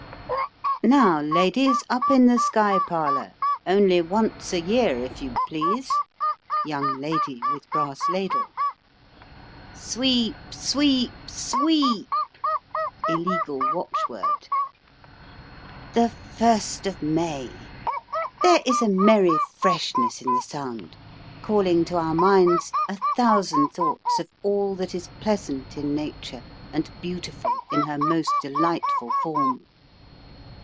" Now ladies, up in the sky parlour : only once a year, if you please !" YOUNG LADY WITH BRASS LADLE. " Sweep sweep sw e ep !" ILLEGAL WATCHWORD. THE first of May ! There is a merry freshness in the sound, calling to our minds a thousand thoughts of all that is pleasant in nature and beautiful in her most delightful form.